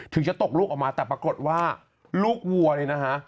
ถึงตกลุกออกมาแต่ปรากฏว่าลูกวัวนี่นะครับ